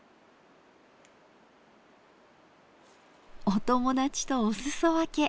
お友達とお裾分け。